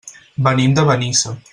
Venim de Benissa.